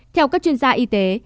theo các chuyên gia y tế